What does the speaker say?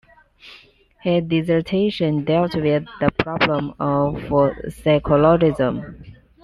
His dissertation dealt with the problem of psychologism.